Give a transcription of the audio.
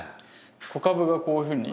子株がこういうふうに。